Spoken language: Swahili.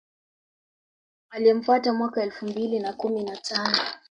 Aliyemfuata mwaka elfu mbili na kumi na tano